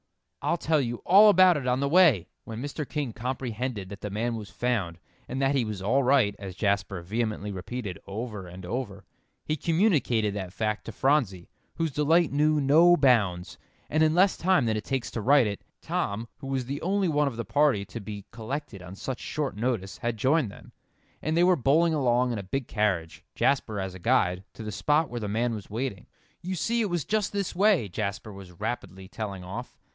I'll tell you all about it on the way." When Mr. King comprehended that the man was found, and that he was "all right," as Jasper vehemently repeated over and over, he communicated that fact to Phronsie, whose delight knew no bounds, and in less time than it takes to write it, Tom, who was the only one of the party to be collected on such short notice, had joined them, and they were bowling along in a big carriage, Jasper as guide, to the spot where the man was waiting. "You see it was just this way," Jasper was rapidly telling off.